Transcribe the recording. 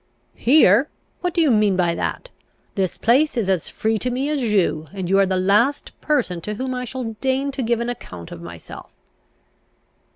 "Here? What do you mean by that? This place is as free to me as you, and you are the last person to whom I shall deign to give an account of myself."